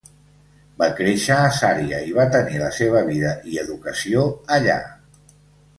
Va créixer a Zaria i va tenir la seva vida i educació allà.